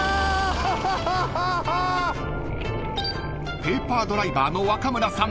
［ペーパードライバーの若村さん